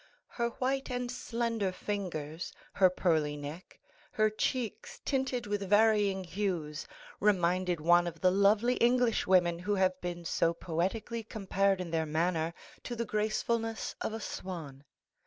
Her white and slender fingers, her pearly neck, her cheeks tinted with varying hues reminded one of the lovely Englishwomen who have been so poetically compared in their manner to the gracefulness of a swan.